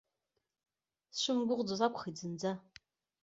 Сшымгәыӷӡоз акәхеит зынӡа.